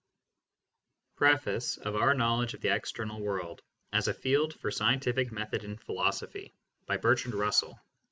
Google OUR KNOWLEDGE OF THE EXTERNAL WORLD AS A FIELD FOR SCIENTIFIC METHOD IN PHILOSOPHY BY BERTRAND RUSSELL, M.